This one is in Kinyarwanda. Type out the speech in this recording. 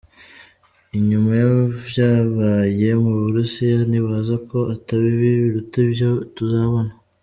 Inyuma y'ivyabaye mu Burusiya nibaza ko ata bibi biruta ivyo tuzobona.